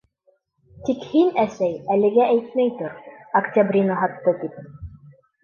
Тик һин, әсәй, әлегә әйтмәй тор, Октябрина һатты тип...